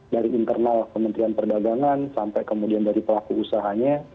dari internal kementerian perdagangan sampai kemudian dari pelaku usahanya